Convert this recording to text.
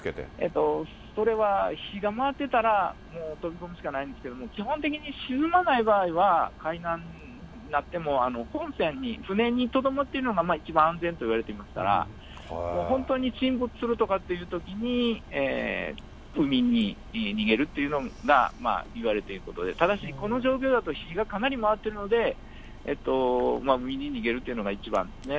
それは火が回ってたらもう飛び込むしかないんですけど、基本的に沈まない場合は、海難になっても本船に、船にとどまっているのが一番安全といわれていますから、もう本当に沈没するとかっていうときに、海に逃げるっていうのがいわれていることで、ただし、この状況だと火がかなり回っているので、海に逃げるというのが一番ですね。